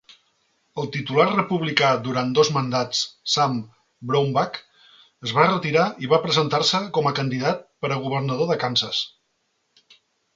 El titular republicà durant dos mandats, Sam Brownback, es va retirar i va presentar-se com a candidat per a governador de Kansas.